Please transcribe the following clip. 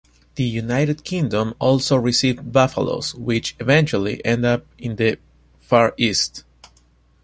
The United Kingdom also received Buffalos, which eventually ended up in the Far East.